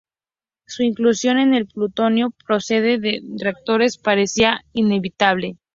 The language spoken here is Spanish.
Su inclusión en el plutonio procedente de reactores parecía inevitable.